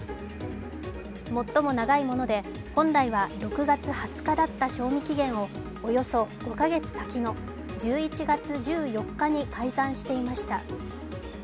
最も長いもので、本来は６月２０日だった賞味期限をおよそ５か月先の１１月１４日に改ざんしていました。